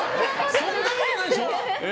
そんなことないでしょ。